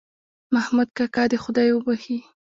محمود کاکا دې خدای وبښي